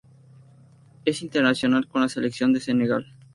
Es internacional con la selección de Senegal.